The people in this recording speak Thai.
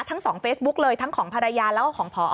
ทั้งสองเฟซบุ๊กเลยทั้งของภรรยาแล้วก็ของพอ